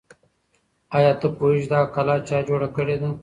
آیا ته پوهېږې چې دا کلا چا جوړه کړې ده؟